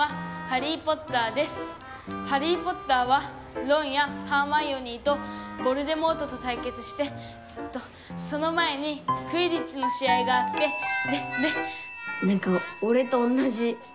『ハリー・ポッター』はロンやハーマイオニーとヴォルデモートとたいけつしてえっとその前にクィディッチの試合があってでで」。